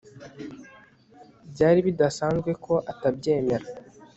Byari bidasanzwe ko atabyemera